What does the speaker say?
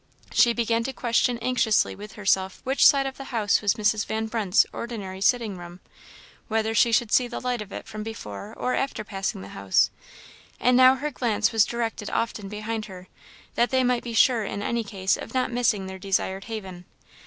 She began to question anxiously with herself which side of the house was Mrs. Van Brunt's ordinary sitting room; whether she should see the light from it before or after passing the house; and now her glance was directed often behind her, that they might be sure in any case of not missing their desired haven.